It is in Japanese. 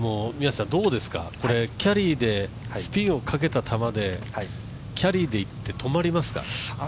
これ、キャリーでスピンをかけた球でいって止まりますか？